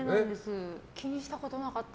気にしたことなかった。